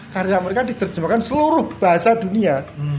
karena mereka diterjemahkan seluruh bahasa dunia